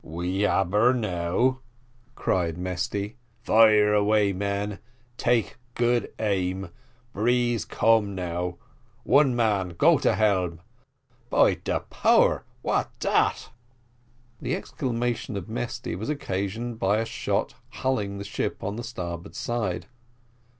"We ab her now," cried Mesty, "fire away men take good aim. Breeze come now; one man go to helm. By de power, what dat?" The exclamation of Mesty was occasioned by a shot hulling the ship on the starboard side.